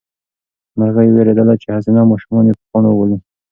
مرغۍ وېرېدله چې هسې نه ماشومان یې په کاڼو وولي.